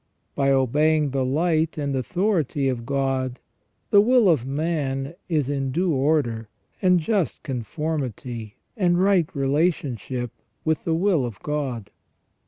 By obeying the light and authority of God the will of man is in due order, and just confor mity, and right relationship with the will of God.